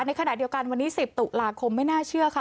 ในขณะเดียวกันวันนี้๑๐ตุลาคมไม่น่าเชื่อค่ะ